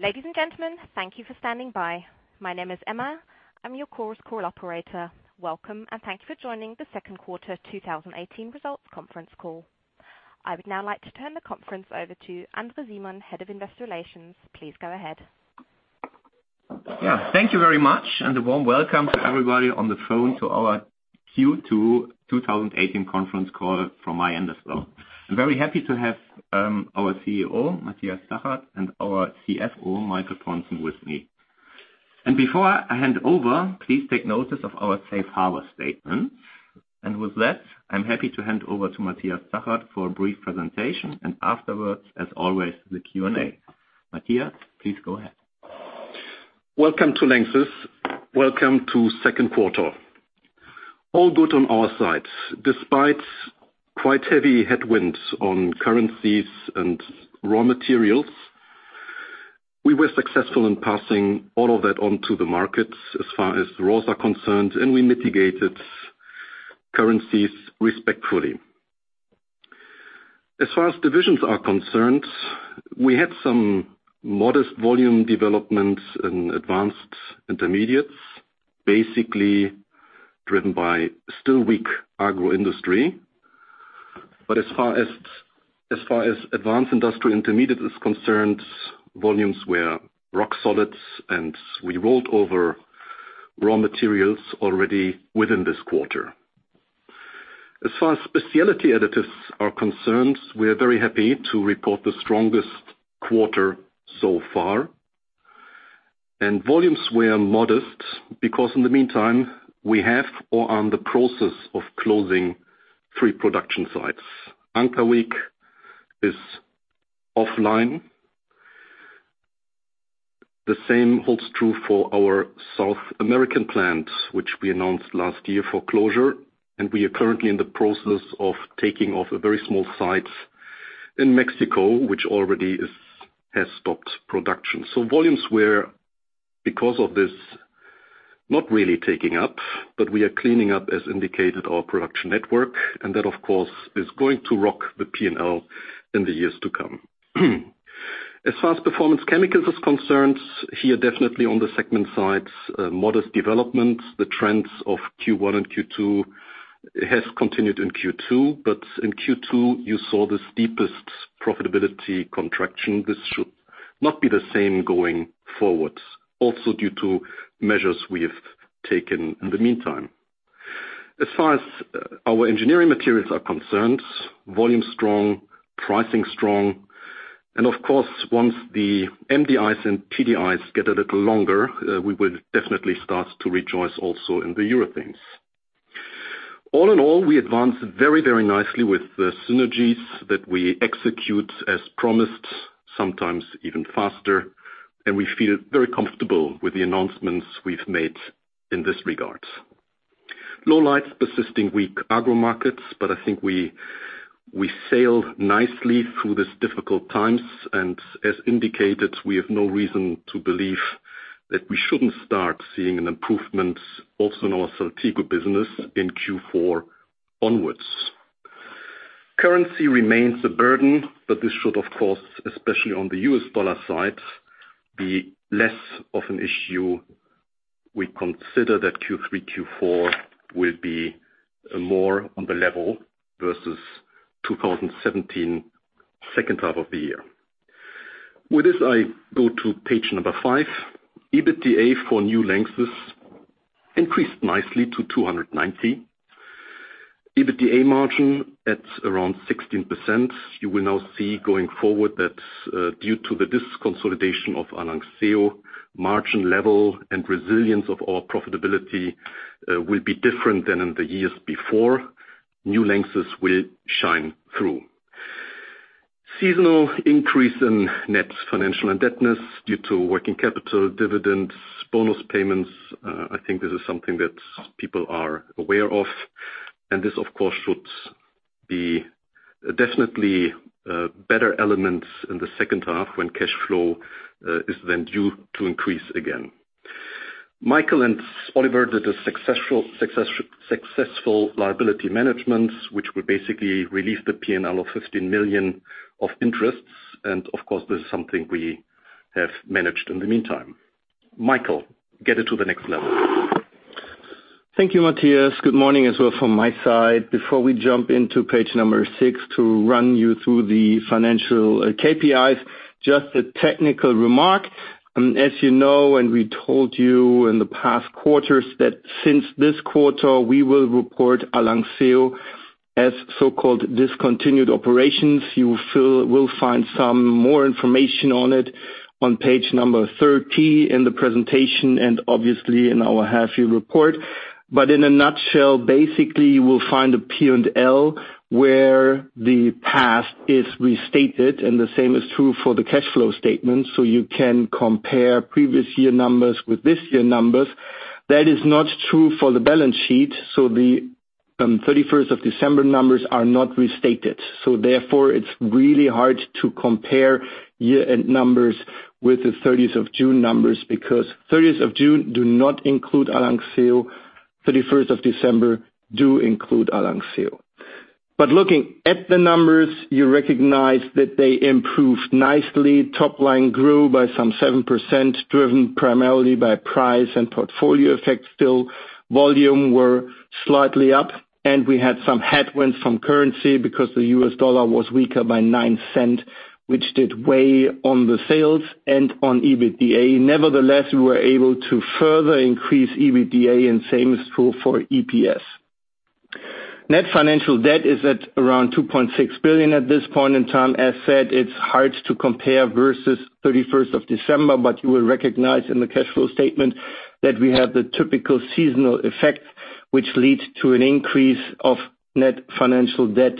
Ladies and gentlemen, thank you for standing by. My name is Emma, I am your Chorus Call Operator. Welcome, and thank you for joining the second quarter 2018 results conference call. I would now like to turn the conference over to André Simon, Head of Investor Relations. Please go ahead. Thank you very much, and a warm welcome to everybody on the phone to our Q2 2018 conference call from my end as well. I am very happy to have our CEO, Matthias Zachert, and our CFO, Michael Pontzen, with me. Before I hand over, please take notice of our safe harbor statement. With that, I am happy to hand over to Matthias Zachert for a brief presentation, and afterwards, as always, the Q&A. Matthias, please go ahead. Welcome to Lanxess. Welcome to second quarter. All good on our side. Despite quite heavy headwinds on currencies and raw materials, we were successful in passing all of that on to the markets as far as raws are concerned, and we mitigated currencies respectfully. As far as divisions are concerned, we had some modest volume development in Advanced Intermediates, basically driven by still weak agro industry. But as far as advanced industrial intermediate is concerned, volumes were rock solid, and we rolled over raw materials already within this quarter. As far as Specialty Additives are concerned, we are very happy to report the strongest quarter so far. Volumes were modest because in the meantime, we have or are in the process of closing three production sites. Ankerweg is offline. The same holds true for our South American plant, which we announced last year for closure, and we are currently in the process of taking off a very small site in Mexico, which already has stopped production. Volumes were, because of this, not really taking up, but we are cleaning up, as indicated, our production network, and that, of course, is going to rock the P&L in the years to come. As far as Performance Chemicals is concerned, here definitely on the segment side, modest development. The trends of Q1 and Q2 has continued in Q2, but in Q2 you saw the steepest profitability contraction. This should not be the same going forward, also due to measures we have taken in the meantime. As far as our Engineering Materials are concerned, volume is strong, pricing is strong, and of course, once the MDIs and TDIs get a little longer, we will definitely start to rejoice also in the Urethanes. All in all, we advanced very nicely with the synergies that we execute as promised, sometimes even faster, and we feel very comfortable with the announcements we've made in this regard. Lowlights, persisting weak agro markets, but I think we sailed nicely through this difficult time, and as indicated, we have no reason to believe that we shouldn't start seeing an improvement also in our Saltigo business in Q4 onwards. Currency remains a burden, but this should, of course, especially on the US dollar side, be less of an issue. We consider that Q3, Q4 will be more on the level versus 2017 second half of the year. With this, I go to page number five. EBITDA for New LANXESS has increased nicely to 290 million. EBITDA margin at around 16%. You will now see going forward that due to the disconsolidation of ARLANXEO, margin level and resilience of our profitability will be different than in the years before. New LANXESS will shine through. Seasonal increase in net financial indebtedness due to working capital, dividends, bonus payments. I think this is something that people are aware of. This, of course, should be definitely better elements in the second half when cash flow is then due to increase again. Michael and Oliver did a successful liability management, which will basically release the P&L of 15 million of interests. Of course, this is something we have managed in the meantime. Michael, get it to the next level. Thank you, Matthias. Good morning as well from my side. Before we jump into page number six to run you through the financial KPIs, just a technical remark. You know, and we told you in the past quarters, that since this quarter, we will report ARLANXEO as so-called discontinued operations. You will find some more information on it on page number 30 in the presentation and obviously in our half-year report. In a nutshell, basically, you will find a P&L where the past is restated, and the same is true for the cash flow statement, so you can compare previous year numbers with this year numbers. That is not true for the balance sheet, so the 31st of December numbers are not restated. Therefore, it's really hard to compare year-end numbers with the 30th of June numbers because 30th of June do not include ARLANXEO, 31st of December do include ARLANXEO. Looking at the numbers, you recognize that they improved nicely. Top line grew by some 7%, driven primarily by price and portfolio effects. Still, volume were slightly up and we had some headwinds from currency because the US dollar was weaker by $0.09, which did weigh on the sales and on EBITDA. Nevertheless, we were able to further increase EBITDA and same is true for EPS. Net financial debt is at around 2.6 billion at this point in time. As said, it is hard to compare versus 31st of December, but you will recognize in the cash flow statement that we have the typical seasonal effect, which leads to an increase of net financial debt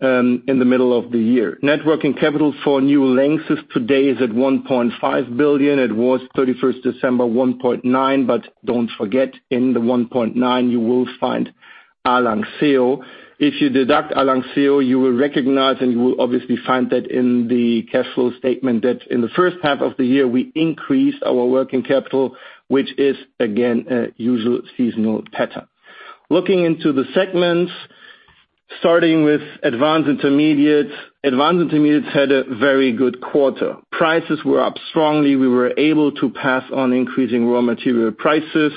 in the middle of the year. Net working capital for New LANXESS today is at 1.5 billion. It was 31st December, 1.9 billion. Don't forget, in the 1.9 billion you will find ARLANXEO. If you deduct ARLANXEO, you will recognize and you will obviously find that in the cash flow statement, that in the first half of the year we increased our working capital, which is again, a usual seasonal pattern. Looking into the segments, starting with Advanced Intermediates. Advanced Intermediates had a very good quarter. Prices were up strongly. We were able to pass on increasing raw material prices.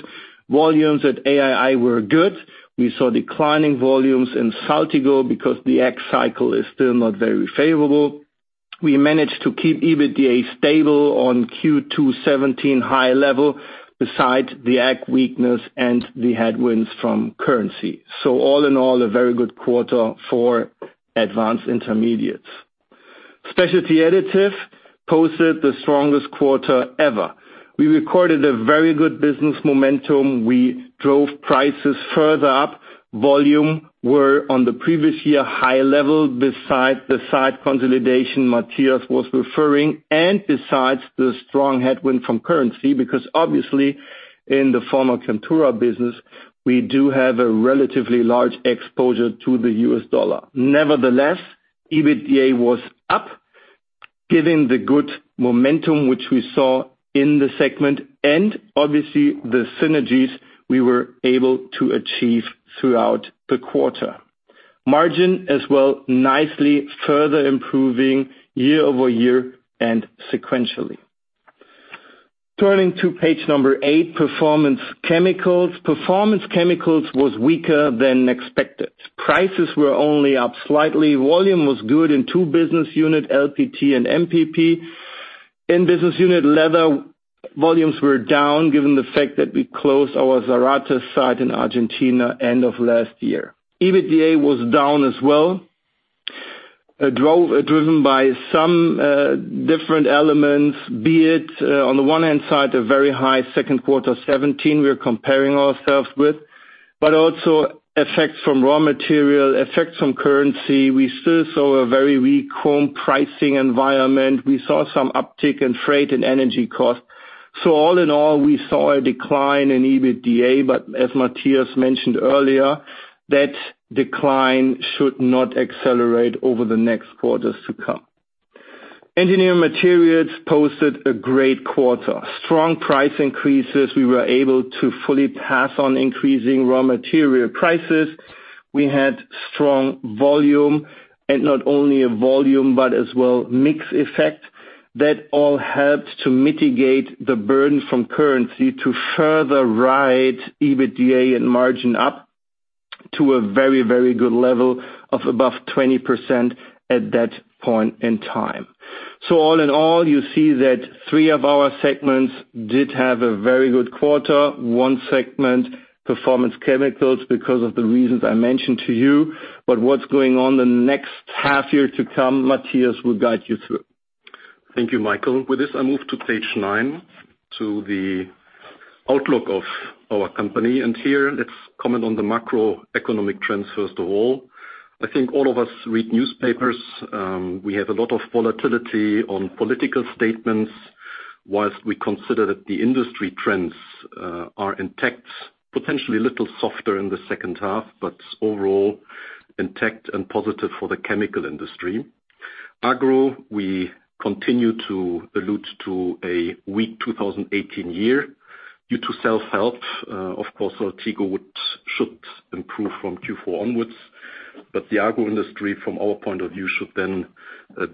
Volumes at AII were good. We saw declining volumes in Saltigo because the ag cycle is still not very favorable. We managed to keep EBITDA stable on Q2 2017 high level, besides the ag weakness and the headwinds from currency. All in all, a very good quarter for Advanced Intermediates. Specialty Additives posted the strongest quarter ever. We recorded a very good business momentum. We drove prices further up. Volume were on the previous year high level besides the site consolidation Matthias was referring and besides the strong headwind from currency because obviously in the former Chemtura business, we do have a relatively large exposure to the US dollar. Nevertheless, EBITDA was up, given the good momentum which we saw in the segment and obviously the synergies we were able to achieve throughout the quarter. Margin as well, nicely further improving year-over-year and sequentially. Turning to page 8, Performance Chemicals. Performance Chemicals was weaker than expected. Prices were only up slightly. Volume was good in two business unit, LPT and MPP. In Business Unit Leather, volumes were down given the fact that we closed our Zárate site in Argentina end of last year. EBITDA was down as well, driven by some different elements, be it on the one hand side, a very high second quarter 2017 we are comparing ourselves with, but also effects from raw material, effects from currency. We still saw a very weak chrome pricing environment. We saw some uptick in freight and energy costs. All in all, we saw a decline in EBITDA. As Matthias mentioned earlier, that decline should not accelerate over the next quarters to come. Engineering Materials posted a great quarter. Strong price increases. We were able to fully pass on increasing raw material prices. We had strong volume and not only a volume but as well mix effect. That all helped to mitigate the burden from currency to further ride EBITDA and margin up to a very good level of above 20% at that point in time. All in all, you see that three of our segments did have a very good quarter. One segment, Performance Chemicals, because of the reasons I mentioned to you. What's going on in the next half year to come, Matthias will guide you through. Thank you, Michael. With this, I move to page nine, to the outlook of our company. Here let's comment on the macroeconomic trends first of all. I think all of us read newspapers. We have a lot of volatility on political statements whilst we consider that the industry trends are intact, potentially a little softer in the second half, but overall intact and positive for the chemical industry. Agro, we continue to allude to a weak 2018 year due to self-help. Of course, Saltigo should improve from Q4 onwards, but the agro industry from our point of view, should then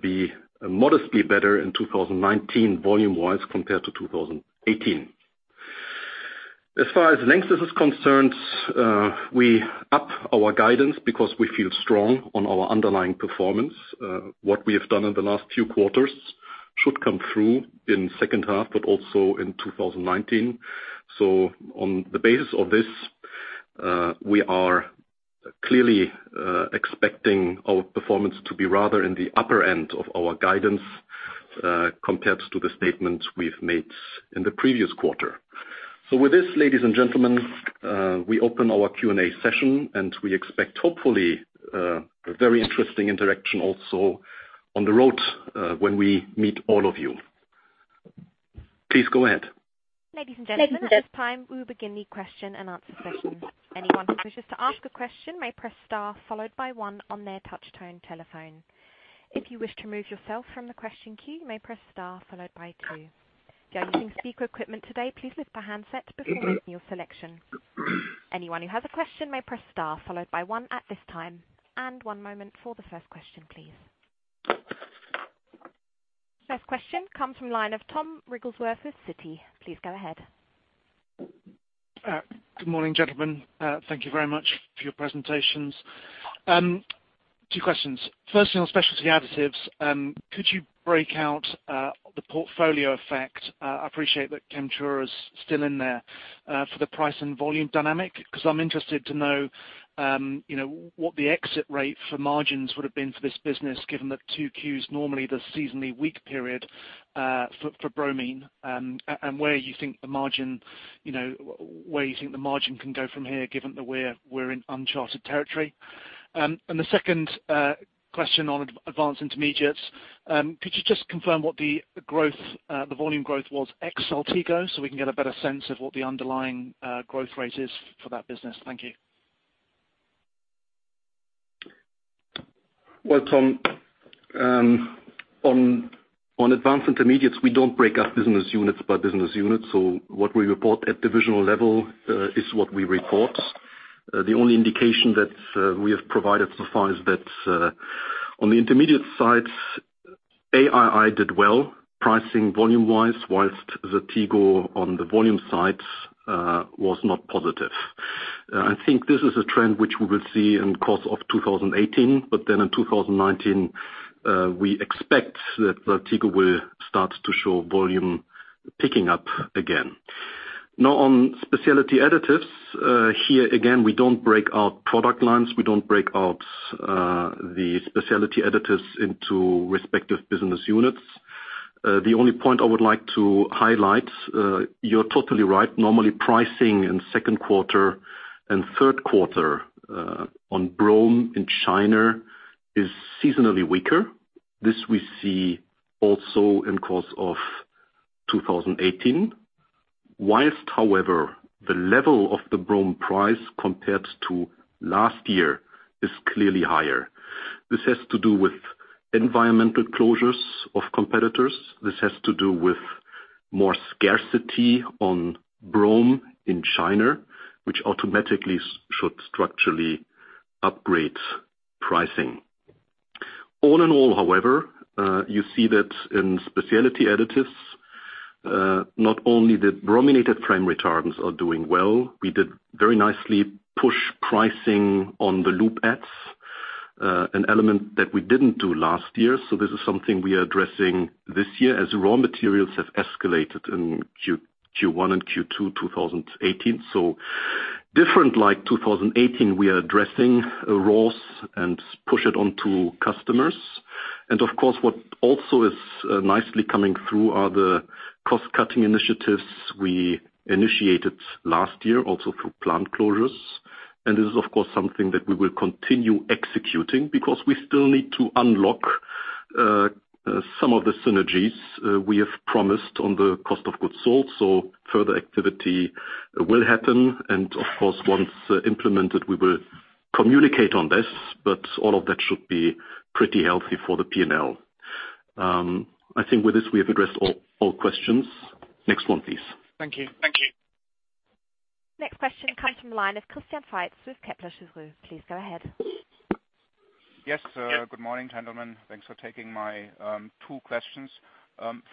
be modestly better in 2019 volume-wise compared to 2018. As far as Lanxess is concerned, we up our guidance because we feel strong on our underlying performance. What we have done in the last few quarters should come through in second half but also in 2019. On the basis of this, we are clearly expecting our performance to be rather in the upper end of our guidance, compared to the statements we've made in the previous quarter. With this, ladies and gentlemen, we open our Q&A session and we expect hopefully a very interesting interaction also on the road when we meet all of you. Please go ahead. Ladies and gentlemen, at this time, we will begin the question and answer session. Anyone who wishes to ask a question may press star followed by one on their touch-tone telephone. If you wish to remove yourself from the question queue, you may press star followed by two. If you're using speaker equipment today, please lift the handset before making your selection. Anyone who has a question may press star followed by one at this time. One moment for the first question, please. First question comes from line of Tom Wrigglesworth with Citi. Please go ahead. Good morning, gentlemen. Thank you very much for your presentations. Two questions. Firstly, on Specialty Additives, could you break out the portfolio effect? I appreciate that Chemtura's still in there for the price and volume dynamic, because I'm interested to know what the exit rate for margins would've been for this business, given that 2Q is normally the seasonally weak period for bromine, and where you think the margin can go from here, given that we're in uncharted territory. The second question on Advanced Intermediates, could you just confirm what the volume growth was ex-Saltigo so we can get a better sense of what the underlying growth rate is for that business? Thank you. Well, Tom, on Advanced Intermediates, we don't break up business units by business units. What we report at divisional level is what we report. The only indication that we have provided so far is that on the intermediate side, AII did well, pricing volume-wise, whilst the Tigo on the volume side was not positive. I think this is a trend which we will see in course of 2018. In 2019, we expect that the Tigo will start to show volume picking up again. On Specialty Additives. Here again, we don't break out product lines. We don't break out the Specialty Additives into respective business units. The only point I would like to highlight, you're totally right. Normally, pricing in second quarter and third quarter on bromine in China is seasonally weaker. This we see also in course of 2018. However, the level of the bromine price compared to last year is clearly higher. This has to do with environmental closures of competitors. This has to do with more scarcity on bromine in China, which automatically should structurally upgrade pricing. All in all, however, you see that in Specialty Additives, not only the brominated flame retardants are doing well. We did very nicely push pricing on the lube adds, an element that we didn't do last year. This is something we are addressing this year as raw materials have escalated in Q1 and Q2 2018. Different like 2018, we are addressing raws and push it onto customers. Of course, what also is nicely coming through are the cost-cutting initiatives we initiated last year, also through plant closures. This is, of course, something that we will continue executing because we still need to unlock some of the synergies we have promised on the cost of goods sold. Further activity will happen and, of course, once implemented, we will communicate on this, but all of that should be pretty healthy for the P&L. I think with this, we have addressed all questions. Next one, please. Thank you. Next question comes from the line of Christian Faitz with Kepler Cheuvreux. Please go ahead. Yes. Good morning, gentlemen. Thanks for taking my two questions.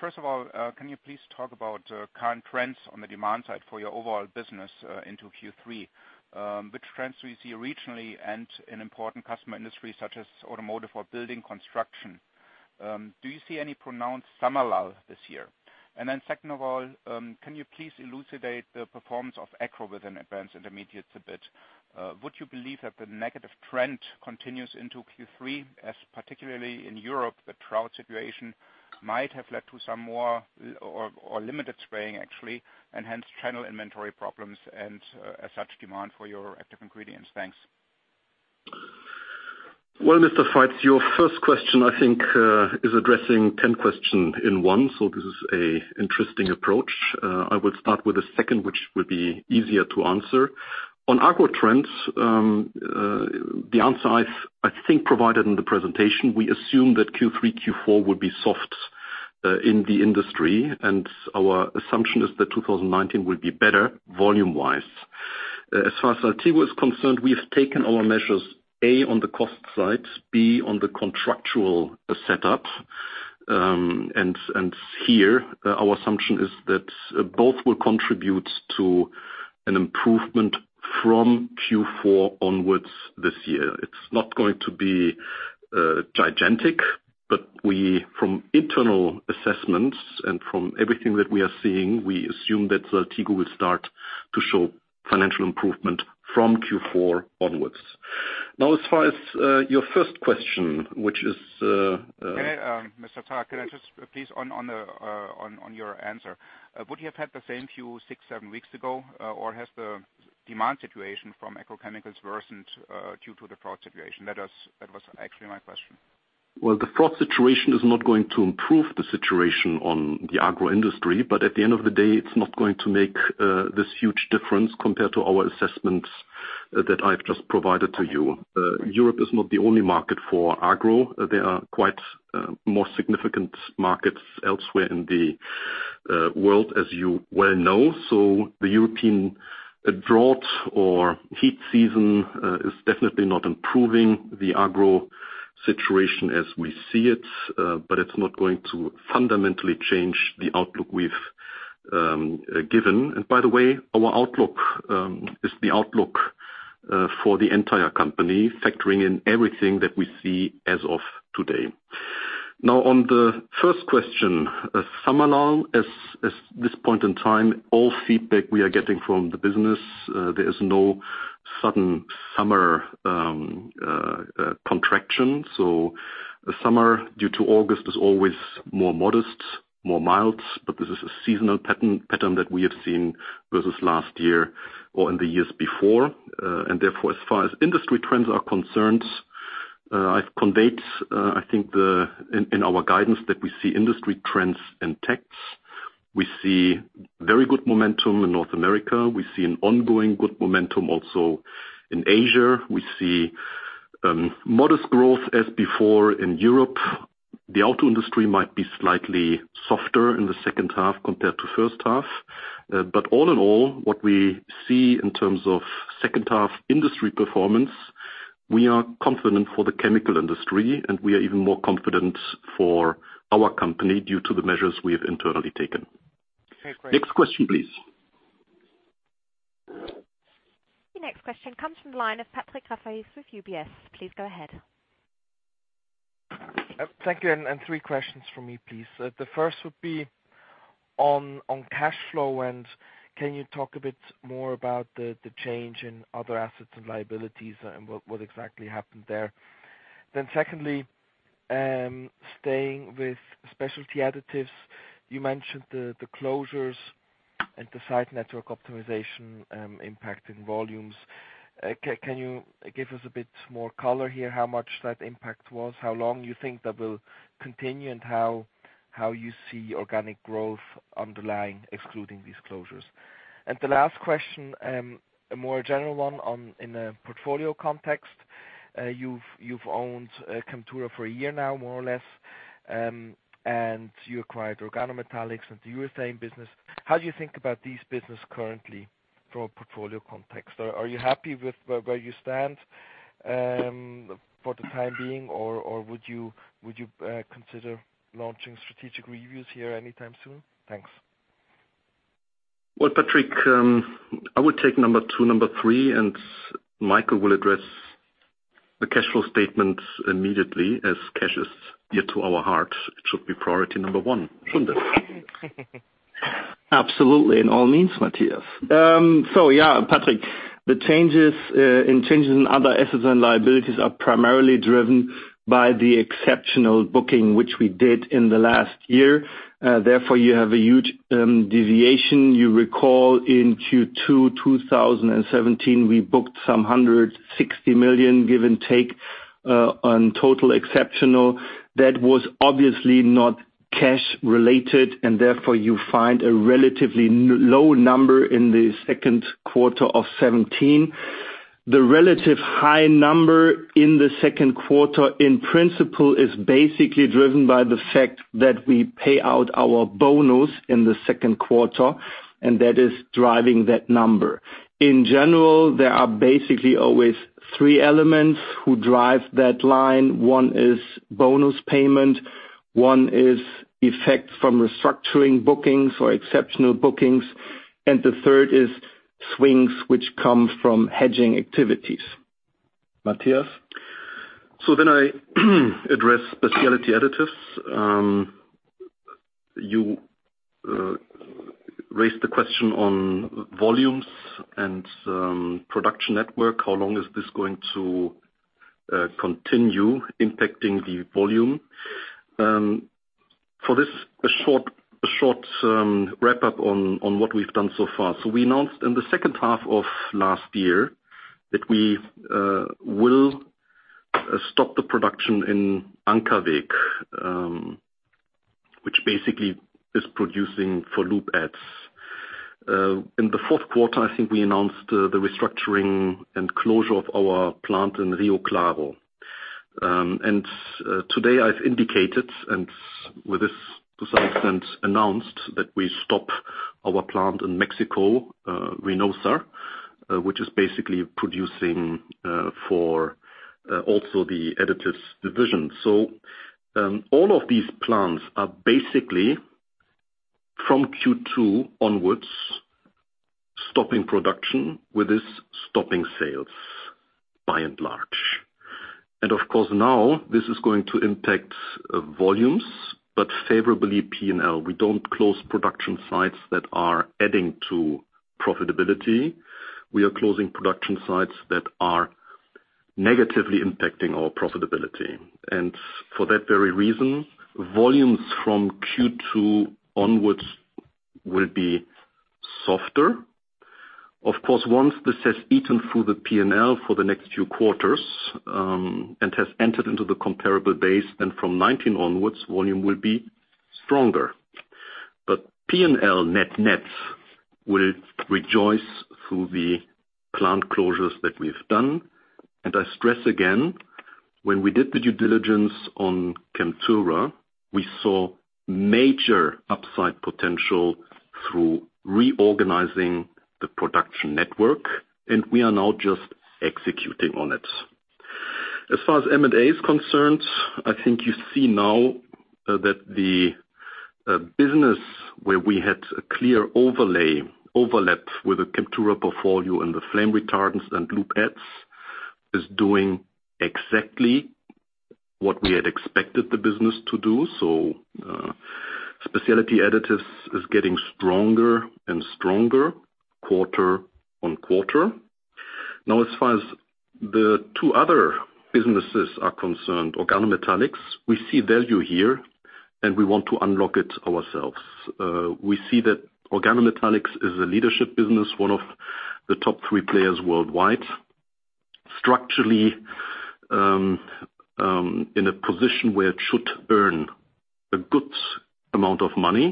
First of all, can you please talk about current trends on the demand side for your overall business into Q3? Which trends do you see regionally and in important customer industries such as automotive or building construction? Do you see any pronounced summer lull this year? Second of all, can you please elucidate the performance of Agro within Advanced Intermediates a bit? Would you believe that the negative trend continues into Q3, as particularly in Europe, the drought situation might have led to some more or limited spraying actually, and hence channel inventory problems and as such demand for your active ingredients? Thanks. Well, Mr. Faitz, your first question, I think, is addressing 10 questions in one. This is an interesting approach. I will start with the second, which will be easier to answer. On Agro trends, the answer I think provided in the presentation, we assume that Q3, Q4 will be soft in the industry, and our assumption is that 2019 will be better volume-wise. As far as Saltigo is concerned, we have taken our measures, A, on the cost side, B, on the contractual setup. Here, our assumption is that both will contribute to an improvement from Q4 onwards this year. It's not going to be gigantic, but from internal assessments and from everything that we are seeing, we assume that Saltigo will start to show financial improvement from Q4 onwards. As far as your first question, which is- Mr. Zachert, can I just please on your answer, would you have had the same view six, seven weeks ago, or has the demand situation from agrochemicals worsened due to the frost situation? That was actually my question. The frost situation is not going to improve the situation on the agro industry, but at the end of the day, it's not going to make this huge difference compared to our assessments that I've just provided to you. Europe is not the only market for agro. There are quite more significant markets elsewhere in the world, as you well know. The European drought or heat season is definitely not improving the agro situation as we see it, but it's not going to fundamentally change the outlook we've given. By the way, our outlook is the outlook for the entire company, factoring in everything that we see as of today. On the first question, summer long, as this point in time, all feedback we are getting from the business, there is no sudden summer contraction. The summer, due to August, is always more modest, more mild, but this is a seasonal pattern that we have seen versus last year or in the years before. Therefore, as far as industry trends are concerned, I've conveyed, I think, in our guidance that we see industry trends intact. We see very good momentum in North America. We see an ongoing good momentum also in Asia. We see modest growth as before in Europe. The auto industry might be slightly softer in the second half compared to first half. All in all, what we see in terms of second half industry performance, we are confident for the chemical industry, and we are even more confident for our company due to the measures we have internally taken. Okay, great. Next question, please. The next question comes from the line of Patrick Hoffe with UBS. Please go ahead. Thank you. Three questions from me, please. The first would be on cash flow. Can you talk a bit more about the change in other assets and liabilities and what exactly happened there? Secondly, staying with Specialty Additives, you mentioned the closures and the site network optimization impact in volumes. Can you give us a bit more color here, how much that impact was, how long you think that will continue, and how you see organic growth underlying excluding these closures? The last question, a more general one in a portfolio context. You've owned Chemtura for a year now, more or less, and you acquired Organometallics and the urethane business. How do you think about these business currently from a portfolio context? Are you happy with where you stand for the time being, or would you consider launching strategic reviews here anytime soon? Thanks. Well, Patrick, I would take number two and number three. Michael will address the cash flow statements immediately, as cash is dear to our heart. It should be priority number one, shouldn't it? Absolutely. In all means, Matthias. Yeah, Patrick, the changes in other assets and liabilities are primarily driven by the exceptional booking, which we did in the last year. Therefore, you have a huge deviation. You recall in Q2 2017, we booked some 160 million, give and take, on total exceptional. That was obviously not cash related. Therefore, you find a relatively low number in the second quarter of 2017. The relative high number in the second quarter, in principle, is basically driven by the fact that we pay out our bonus in the second quarter. That is driving that number. In general, there are basically always three elements who drive that line. One is bonus payment, one is effect from restructuring bookings or exceptional bookings, and the third is swings, which come from hedging activities. Matthias? I address Specialty Additives. You raised the question on volumes and production network. How long is this going to continue impacting the volume? For this, a short wrap-up on what we've done so far. We announced in the second half of last year that we will stop the production in Ankerweg, which basically is producing for lube adds. In the fourth quarter, I think we announced the restructuring and closure of our plant in Rio Claro. Today I've indicated, and with this to some extent announced, that we stop our plant in Mexico, Reynosa, which is basically producing for also the Specialty Additives division. All of these plants are basically from Q2 onwards, stopping production, with this stopping sales by and large. Of course, now this is going to impact volumes, but favorably P&L. We don't close production sites that are adding to profitability. We are closing production sites that are negatively impacting our profitability. For that very reason, volumes from Q2 onwards will be softer. Of course, once this has eaten through the P&L for the next few quarters, and has entered into the comparable base, then from 2019 onwards, volume will be stronger. P&L net nets will rejoice through the plant closures that we've done. I stress again, when we did the due diligence on Chemtura, we saw major upside potential through reorganizing the production network, and we are now just executing on it. As far as M&A is concerned, I think you see now that the business where we had a clear overlap with the Chemtura portfolio and the brominated flame retardants and lube adds, is doing exactly what we had expected the business to do. Specialty Additives is getting stronger and stronger quarter on quarter. As far as the two other businesses are concerned, Organometallics, we see value here, and we want to unlock it ourselves. We see that Organometallics is a leadership business, one of the top three players worldwide. Structurally, in a position where it should earn a good amount of money.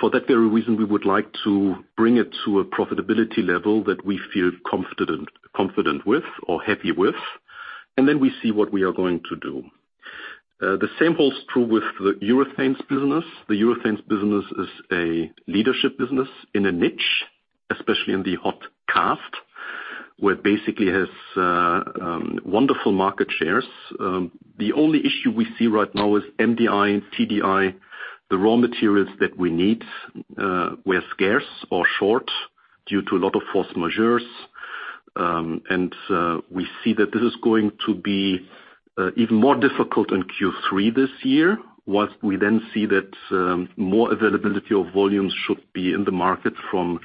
For that very reason, we would like to bring it to a profitability level that we feel confident with or happy with, and then we see what we are going to do. The same holds true with the Urethanes business. The Urethanes business is a leadership business in a niche, especially in the hot cast, where it basically has wonderful market shares. The only issue we see right now is MDI and TDI. The raw materials that we need were scarce or short due to a lot of force majeure. We see that this is going to be even more difficult in Q3 this year, whilst we then see that more availability of volumes should be in the market from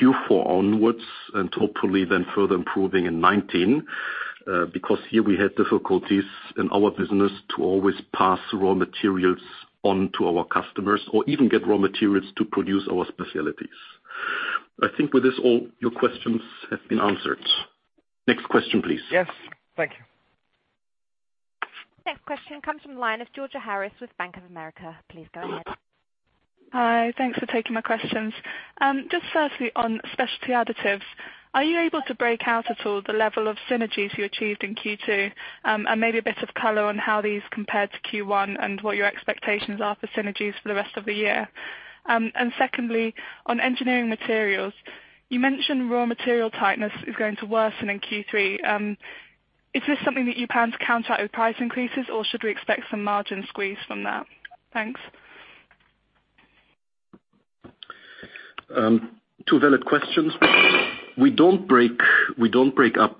Q4 onwards and hopefully then further improving in 2019. Here we had difficulties in our business to always pass raw materials on to our customers or even get raw materials to produce our specialties. I think with this, all your questions have been answered. Next question, please. Yes. Thank you. Next question comes from the line of Georgia Harris with Bank of America. Please go ahead. Hi. Thanks for taking my questions. Firstly, on Specialty Additives, are you able to break out at all the level of synergies you achieved in Q2? Maybe a bit of color on how these compared to Q1 and what your expectations are for synergies for the rest of the year. Secondly, on Engineering Materials, you mentioned raw material tightness is going to worsen in Q3. Is this something that you plan to counter with price increases, or should we expect some margin squeeze from that? Thanks. Two valid questions. We don't break up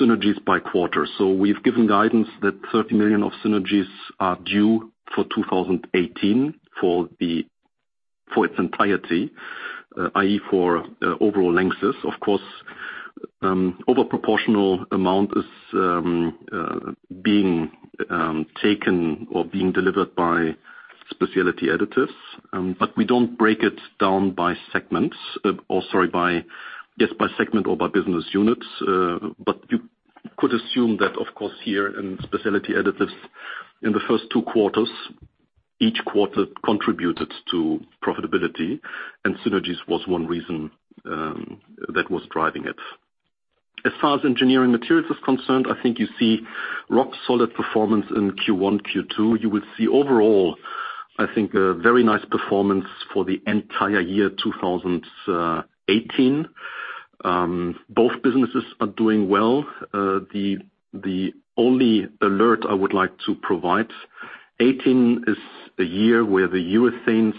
synergies by quarter. We've given guidance that 30 million of synergies are due for 2018 for its entirety, i.e. for overall Lanxess. Of course, over proportional amount is being taken or being delivered by Specialty Additives. We don't break it down by segment or by business units. You could assume that, of course, here in Specialty Additives in the first two quarters, each quarter contributed to profitability, and synergies was one reason that was driving it. As far as Engineering Materials is concerned, I think you see rock solid performance in Q1, Q2. You will see overall, I think a very nice performance for the entire year 2018. Both businesses are doing well. The only alert I would like to provide, 2018 is a year where the Urethanes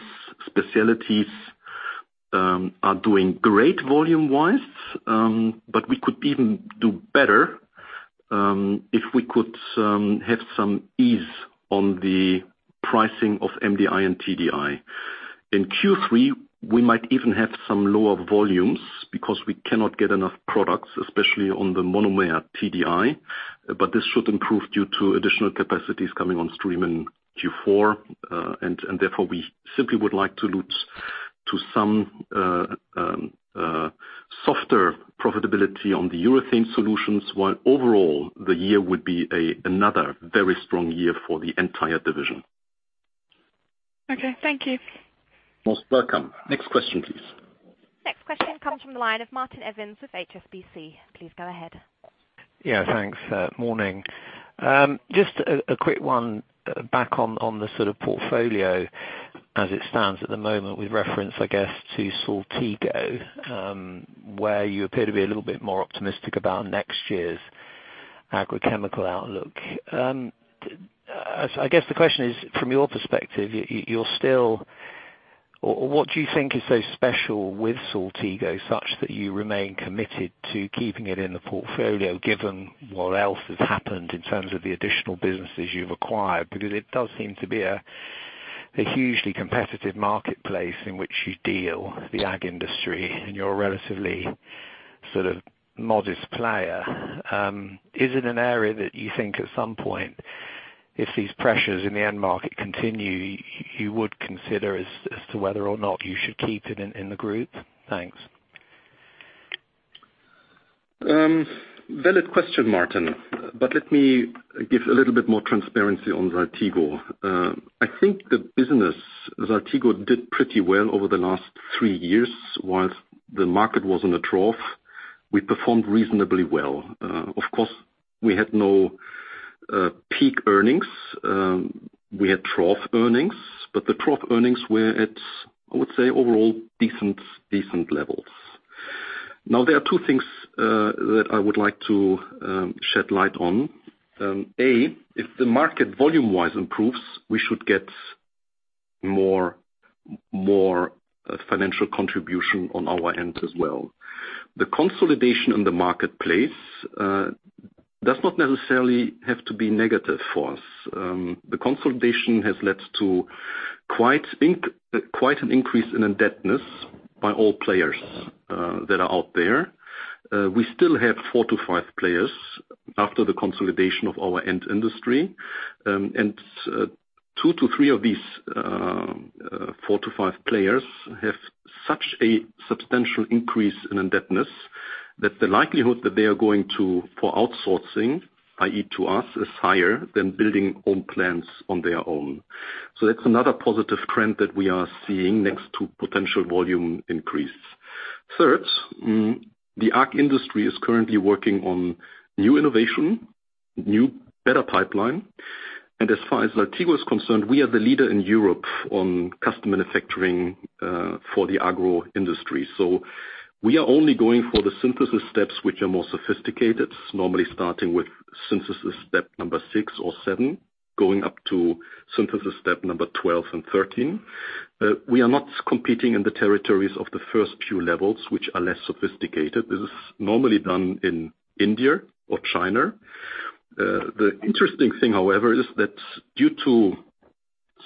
specialties are doing great volume-wise, but we could even do better if we could have some ease on the pricing of MDI and TDI. In Q3, we might even have some lower volumes because we cannot get enough products, especially on the monomer TDI. This should improve due to additional capacities coming on stream in Q4. Therefore, we simply would like to look to some softer profitability on the urethane solutions, while overall the year would be another very strong year for the entire division. Okay. Thank you. Most welcome. Next question, please. Next question comes from the line of Martin Evans with HSBC. Please go ahead. Yeah, thanks. Morning. Just a quick one back on the sort of portfolio as it stands at the moment with reference, I guess, to Saltigo, where you appear to be a little bit more optimistic about next year's agrochemical outlook. I guess the question is, from your perspective, what do you think is so special with Saltigo such that you remain committed to keeping it in the portfolio, given what else has happened in terms of the additional businesses you've acquired? Because it does seem to be a hugely competitive marketplace in which you deal, the ag industry, and you're a relatively modest player. Is it an area that you think at some point, if these pressures in the end market continue, you would consider as to whether or not you should keep it in the group? Thanks. Valid question, Martin. Let me give a little bit more transparency on Saltigo. I think the business, Saltigo, did pretty well over the last three years whilst the market was in a trough. We performed reasonably well. Of course, we had no peak earnings. We had trough earnings, but the trough earnings were at, I would say, overall decent levels. Now, there are two things that I would like to shed light on. A, if the market volume-wise improves, we should get more financial contribution on our end as well. The consolidation in the marketplace does not necessarily have to be negative for us. The consolidation has led to quite an increase in indebtedness by all players that are out there. We still have four to five players after the consolidation of our end industry. Two to three of these four to five players have such a substantial increase in indebtedness that the likelihood that they are going to for outsourcing, i.e. to us, is higher than building own plants on their own. That's another positive trend that we are seeing next to potential volume increase. Third, the agro industry is currently working on new innovation, new better pipeline. As far as Saltigo is concerned, we are the leader in Europe on custom manufacturing for the agro industry. We are only going for the synthesis steps, which are more sophisticated, normally starting with synthesis step number 6 or 7, going up to synthesis step number 12 and 13. We are not competing in the territories of the first few levels, which are less sophisticated. This is normally done in India or China. The interesting thing, however, is that due to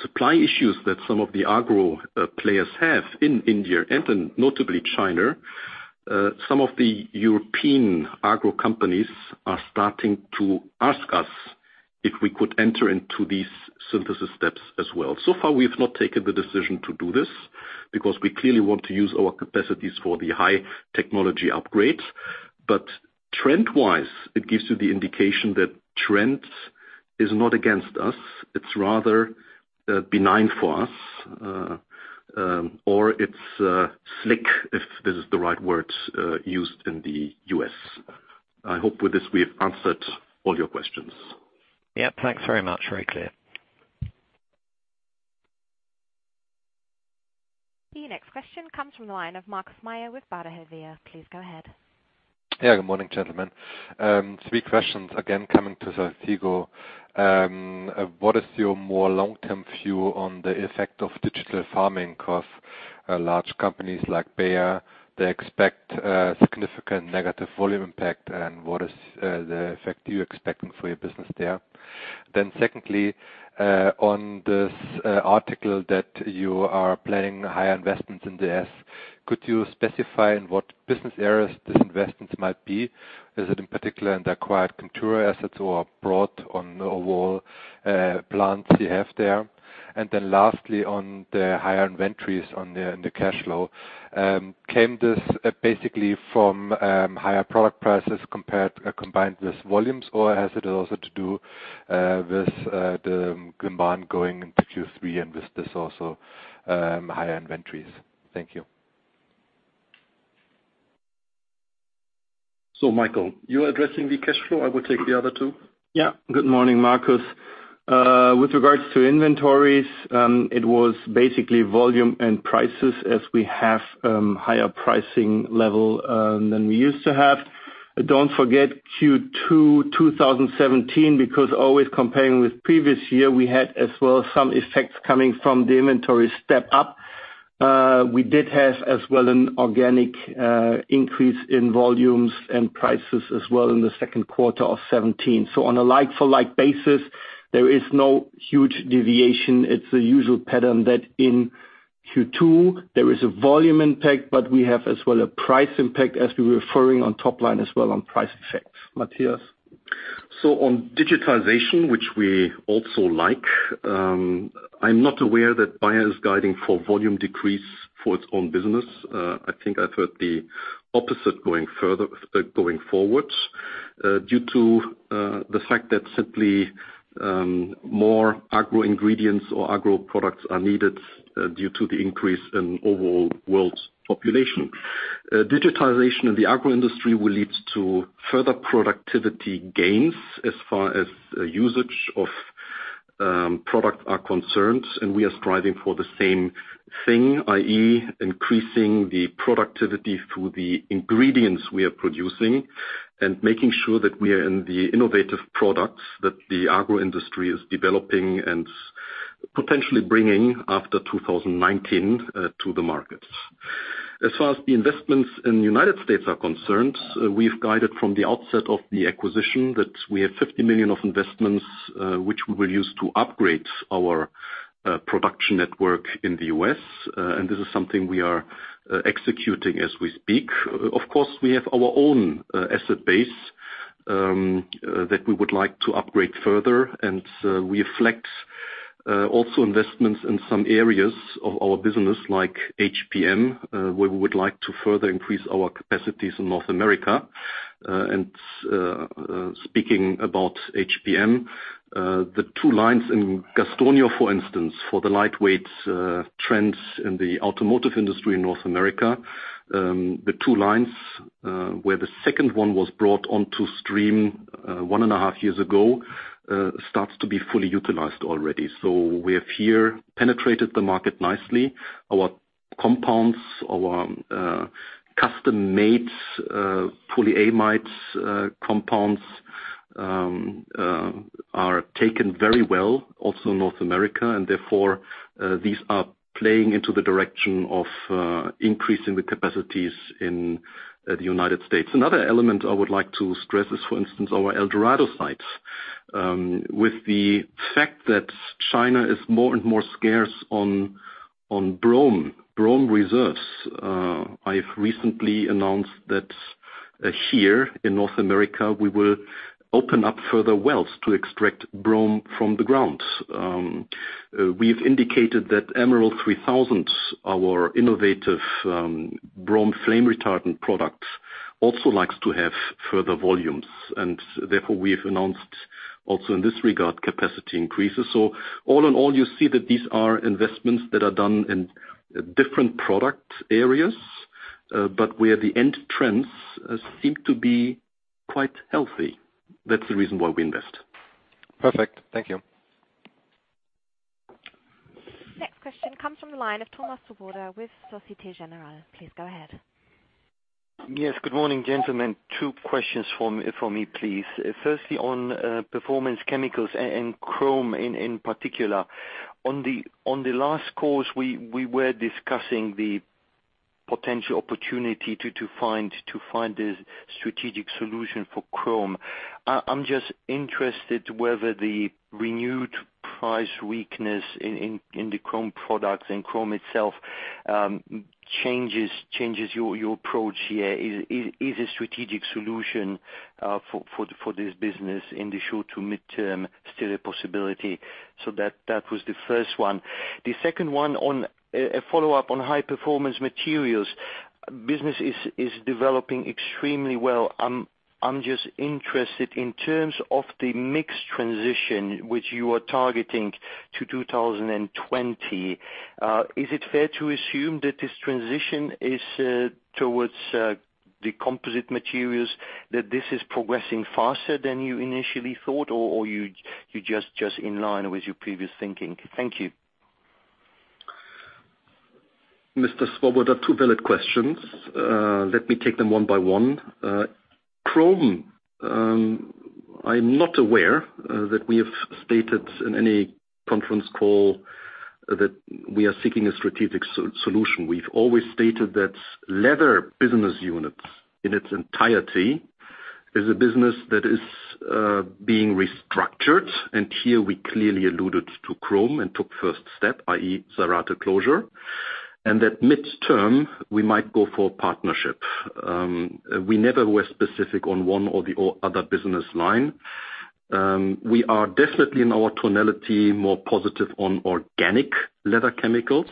supply issues that some of the agro players have in India and notably China, some of the European agro companies are starting to ask us if we could enter into these synthesis steps as well. So far, we've not taken the decision to do this because we clearly want to use our capacities for the high technology upgrades. Trend-wise, it gives you the indication that trends is not against us. It's rather benign for us, or it's slick, if this is the right word, used in the U.S. I hope with this, we have answered all your questions. Yeah, thanks very much. Very clear. The next question comes from the line of Markus Mayer with Baader Helvea. Please go ahead. Good morning, gentlemen. Three questions, again, coming to Saltigo. What is your more long-term view on the effect of digital farming? Because large companies like Bayer, they expect a significant negative volume impact. What is the effect you're expecting for your business there? Secondly, on this article that you are planning higher investments in the US, could you specify in what business areas these investments might be? Is it in particular in the acquired Chemtura assets or broad on overall plants you have there? Lastly, on the higher inventories on the cash flow. Came this basically from higher product prices combined with volumes, or has it also to do with the Grimbarn going into Q3 and with this also higher inventories? Thank you. Michael, you addressing the cash flow, I will take the other two. Good morning, Markus. With regards to inventories, it was basically volume and prices as we have higher pricing level than we used to have. Don't forget Q2 2017, because always comparing with previous year, we had as well some effects coming from the inventory step up. We did have as well an organic increase in volumes and prices as well in the second quarter of 2017. On a like-for-like basis, there is no huge deviation. It's the usual pattern that in Q2 there is a volume impact, but we have as well a price impact as we were referring on top line as well on price effects. Matthias? On digitalization, which we also like, I'm not aware that Bayer is guiding for volume decrease for its own business. I think I've heard the opposite going forwards. Due to the fact that simply more agro ingredients or agro products are needed due to the increase in overall world population. Digitalization in the agro industry will lead to further productivity gains as far as usage of product are concerned, and we are striving for the same thing, i.e. increasing the productivity through the ingredients we are producing and making sure that we are in the innovative products that the agro industry is developing and potentially bringing after 2019 to the market. As far as the investments in U.S. are concerned, we've guided from the outset of the acquisition that we have 50 million of investments, which we will use to upgrade our production network in the U.S., and this is something we are executing as we speak. Of course, we have our own asset base that we would like to upgrade further and reflect also investments in some areas of our business, like HPM, where we would like to further increase our capacities in North America. Speaking about HPM, the two lines in Gastonia, for instance, for the lightweight trends in the automotive industry in North America. The two lines, where the second one was brought onto stream one and a half years ago, starts to be fully utilized already. We have here penetrated the market nicely. Our compounds, our custom-made polyamide compounds are taken very well, also in North America. Therefore, these are playing into the direction of increasing the capacities in the U.S. Another element I would like to stress is, for instance, our El Dorado site. With the fact that China is more and more scarce on chrome reserves. I've recently announced that here in North America, we will open up further wells to extract chrome from the ground. We've indicated that Emerald 3000, our innovative chrome flame retardant product, also likes to have further volumes. Therefore, we have announced also in this regard, capacity increases. All in all, you see that these are investments that are done in different product areas, but where the end trends seem to be quite healthy. That's the reason why we invest. Perfect. Thank you. Next question comes from the line of Thomas Swoboda with Societe Generale. Please go ahead. Yes, good morning, gentlemen. Two questions for me, please. Firstly, on Performance Chemicals and chrome in particular. On the last call, we were discussing the potential opportunity to find the strategic solution for chrome. I'm just interested whether the renewed price weakness in the chrome products and chrome itself changes your approach here. Is a strategic solution for this business in the short- to midterm still a possibility? That was the first one. The second one, a follow-up on High Performance Materials. Business is developing extremely well. I'm just interested in terms of the mix transition, which you are targeting to 2020. Is it fair to assume that this transition is towards the composite materials, that this is progressing faster than you initially thought? Or you're just in line with your previous thinking? Thank you. Mr. Swoboda, two valid questions. Let me take them one by one. Chrome. I'm not aware that we have stated in any conference call that we are seeking a strategic solution. We've always stated that Leather business unit in its entirety is a business that is being restructured, and here we clearly alluded to chrome and took first step, i.e., Zárate closure. That midterm, we might go for a partnership. We never were specific on one or the other business line. We are definitely in our tonality, more positive on organic leather chemicals,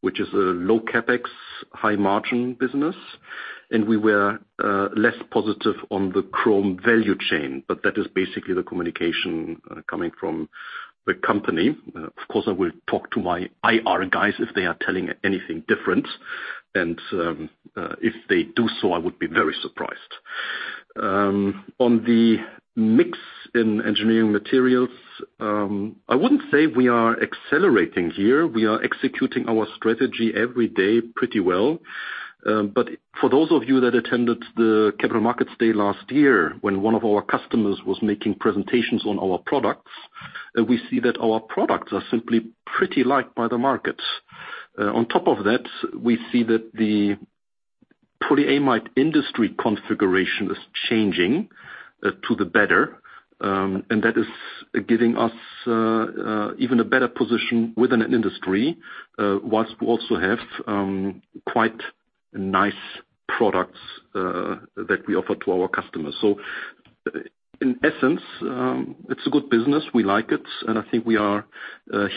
which is a low CapEx, high-margin business. We were less positive on the chrome value chain. That is basically the communication coming from the company. Of course, I will talk to my IR guys if they are telling anything different. If they do so, I would be very surprised. On the mix in Engineering Materials, I wouldn't say we are accelerating here. We are executing our strategy every day pretty well. For those of you that attended the Capital Markets Day last year when one of our customers was making presentations on our products, we see that our products are simply pretty liked by the markets. On top of that, we see that the polyamide industry configuration is changing to the better, and that is giving us even a better position within an industry, whilst we also have quite nice products that we offer to our customers. In essence, it's a good business. We like it, and I think we are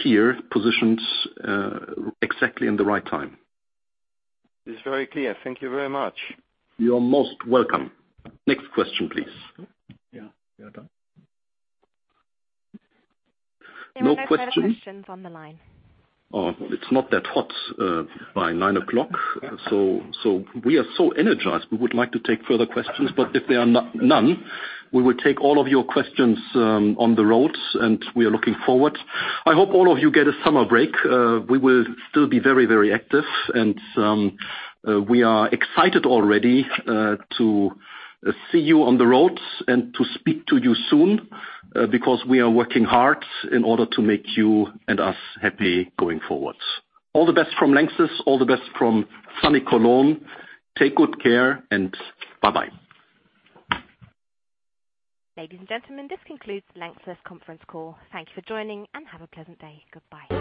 here positioned exactly in the right time. It's very clear. Thank you very much. You are most welcome. Next question, please. Yeah. We are done. No questions? There are no further questions on the line. Oh, it's not that hot by nine o'clock. We are so energized. We would like to take further questions. If there are none, we will take all of your questions on the road, we are looking forward. I hope all of you get a summer break. We will still be very active. We are excited already to see you on the road and to speak to you soon, because we are working hard in order to make you and us happy going forward. All the best from Lanxess, all the best from sunny Cologne. Take good care and bye-bye. Ladies and gentlemen, this concludes Lanxess conference call. Thank you for joining. Have a pleasant day. Goodbye.